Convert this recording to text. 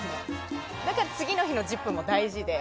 だから、次の日の「ＺＩＰ！」も大事で。